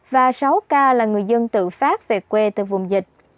và sáu ca là người dân tự phát về quê từ vùng dịch